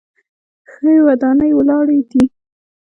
ښې ودانۍ ولاړې دي.